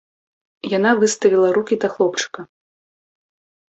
Яна выставіла рукі да хлопчыка.